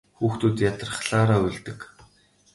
Хүүхдүүд ядрахлаараа уйлдаг.